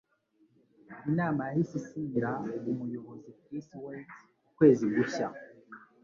Inama yahise isinyira umuyobozi Chris Weitz ukwezi gushya.